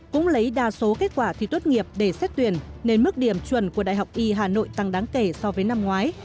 cũng lấy đa số kết quả thi tốt nghiệp để xét tuyển nên mức điểm chuẩn của đại học y hà nội tăng đáng kể so với năm ngoái